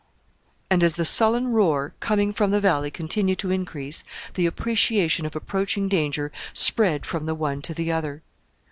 And as the sullen roar coming from the valley continued to increase, the appreciation of approaching danger spread from the one to the other.